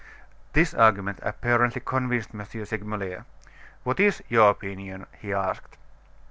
This argument apparently convinced M. Segmuller. "What is your opinion?" he asked.